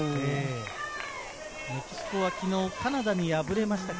メキシコは昨日、カナダに敗れました。